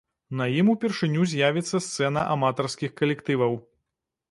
На ім упершыню з'явіцца сцэна аматарскіх калектываў.